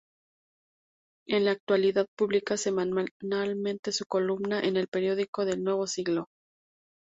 En la actualidad publica semanalmente su columna en el periódico El Nuevo Siglo.